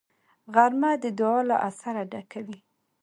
غرمه د دعا له اثره ډکه وي